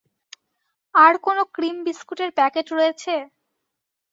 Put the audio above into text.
আর কোনো ক্রিম বিস্কুটের প্যাকেট রয়েছে?